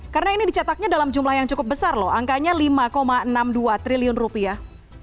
karena ini dicetaknya dalam jumlah yang cukup besar loh angkanya lima enam puluh dua triliun rupiah